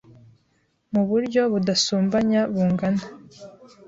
mu buryo budasumbanya bungana